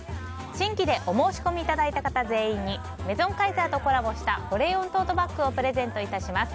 新規でお申し込みいただいた方全員にメゾンカイザーとコラボした保冷温トートバッグをプレゼントいたします。